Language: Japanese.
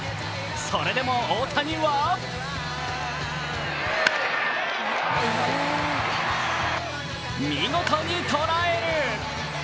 それでは大谷は見事にとらえる！